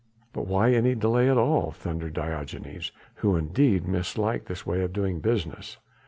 "But why any delay at all?" thundered Diogenes, who indeed misliked this way of doing business.